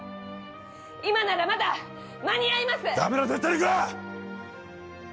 今ならまだ間に合います